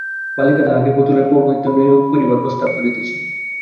বালিকা তাঁহাকে পুতুলের পৌরোহিত্যে নিয়োগ করিবার প্রস্তাব করিতেছে।